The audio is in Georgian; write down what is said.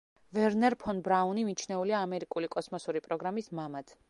ვერნერ ფონ ბრაუნი მიჩნეულია ამერიკული კოსმოსური პროგრამის „მამად“.